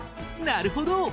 なるほど。